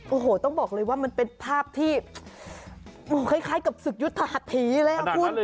โอ้โหต้องบอกเลยว่ามันเป็นภาพที่คล้ายกับศึกยุทธหัสถีเลยอ่ะคุณ